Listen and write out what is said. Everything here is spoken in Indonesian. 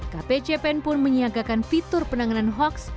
kpcpen pun menyiagakan fitur penanganan hoax